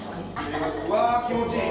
わあ気持ちいい。